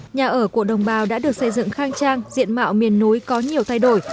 nhà ở của đồng bào đã được xây dựng khang trang diện mạo miền núi có nhiều thay đổi